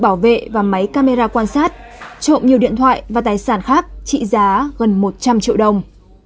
bảo vệ và máy camera quan sát trộm nhiều điện thoại và tài sản khác trị giá gần một trăm linh triệu đồng